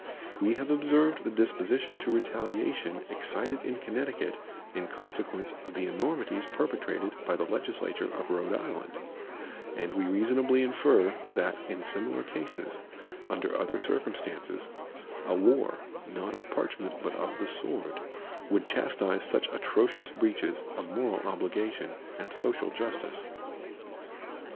We have observed the disposition to retaliation excited in Connecticut in consequence of the enormities perpetrated by the Legislature of Rhode Island; and we reasonably infer that, in similar cases, under other circumstances, a war, not of PARCHMENT, but of the sword, would chastise such atrocious breaches of moral obligation and social justice.